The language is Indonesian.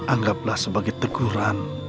anggaplah sebagai teguran